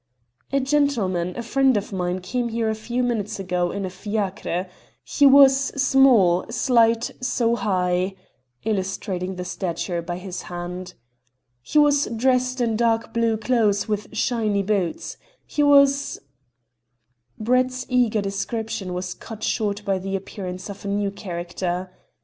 "A gentleman, a friend of mine, came here a few minutes ago in a fiacre. He was small, slight, so high" illustrating the stature by his hand. "He was dressed in dark blue clothes with shiny boots. He was " Brett's eager description was cut short by the appearance of a new character.